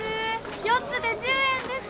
４つで１０円です。